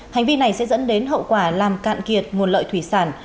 hành vi này sẽ dẫn đến hậu quả làm cạn kiệt nguồn lợi thủy sản